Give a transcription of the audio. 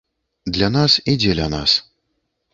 Для нас і дзеля нас.